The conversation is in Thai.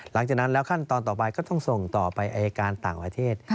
หลังจากนั้นแล้วขั้นตอนต่อไปก็ต้องส่งต่อไปอายการต่างประเทศ